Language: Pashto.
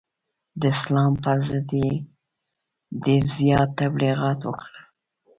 د اسلام پر ضد یې ډېر زیات تبلغیات وکړل.